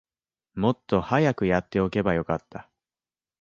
もっと早くやっておけばよかった